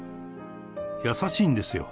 優しいんですよ。